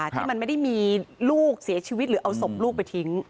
ที่มันไม่ได้มีลูกเสียชีวิตหรือเอาศพลูกไปทิ้ง